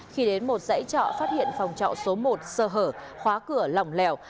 khi đến một giấy trọ phát hiện phòng trọ số một sơ hở khóa cửa lỏng lèo